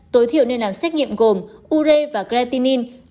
tối thiểu nên làm xách nghiệm gồm ure và creatinine